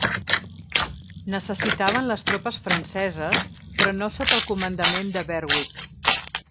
Necessitaven les tropes franceses, però no sota el comandament de Berwick.